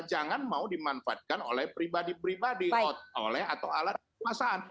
jangan mau dimanfaatkan oleh pribadi pribadi oleh atau alat kekuasaan